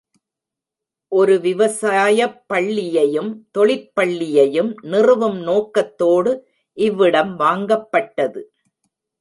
ஒரு விவசாயப் பள்ளியையும், தொழிற்பள்ளியையும் நிறுவும் நோக்கத்தோடு இவ்விடம் வாங்கப்பட்டது.